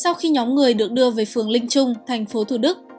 sau khi nhóm người được đưa về phường linh trung thành phố thủ đức